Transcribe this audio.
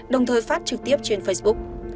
đồng thời phát trực tiếp trên facebook